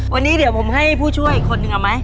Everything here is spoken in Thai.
วันนี้เดี๋ยวผมให้ผู้ช่วยอีกคนนึงเอาไหม